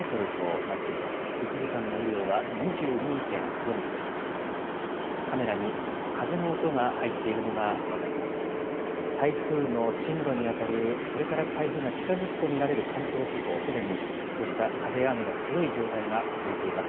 台風の進路に当たるこれから台風が近づくと見られる関東地方、すでに、こうした風や雨が強い状態が続いています。